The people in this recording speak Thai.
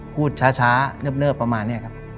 พูดช้าเนิบประมาณนี้ครับ